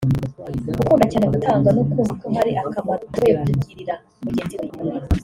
ukunda cyane gutanga no kumva ko hari akamaro ashoboye kugirira mugenzi we